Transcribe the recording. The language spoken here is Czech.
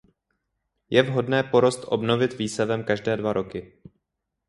Je vhodné porost obnovit výsevem každé dva roky.